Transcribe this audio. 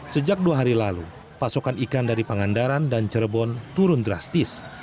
sejak dua hari lalu pasokan ikan dari pangandaran dan cirebon turun drastis